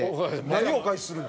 何をお返しするの？